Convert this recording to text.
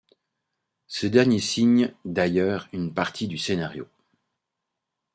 Ce dernier signe d'ailleurs une partie du scénario.